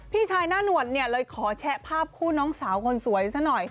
พี่ชายหน้าหนวดเนี่ยเลยขอแชะภาพคู่น้องสาวคนสวยซะหน่อย